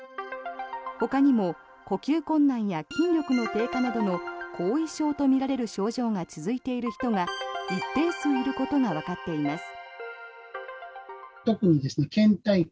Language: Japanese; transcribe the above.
ほかにも呼吸困難や筋力の低下などの後遺症とみられる症状が続いている人が一定数いることがわかっています。